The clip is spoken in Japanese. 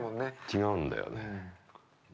違うんだよね。